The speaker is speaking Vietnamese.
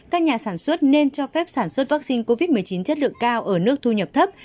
các nhà sản xuất nên cho phép sản xuất vaccine covid một mươi chín chất lượng cao ở nước thu nhập thấp